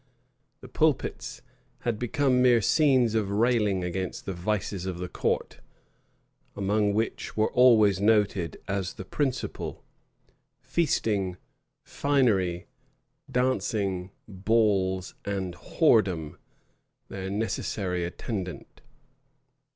[*] The pulpits had become mere scenes of railing against the vices of the court; among which were always noted as the principal, feasting, finery, dancing, balls, and whoredom, their necessary attendant.